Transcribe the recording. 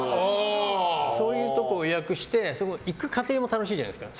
そういうところを予約して行く過程も楽しいじゃないですか